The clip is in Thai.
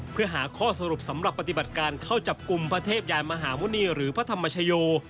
เพื่อหาข้อสรุปสำหรับปฏิบัติการเข้าจับกลุ่มพระเทพยานมหาหมุณีหรือพระธรรมชโย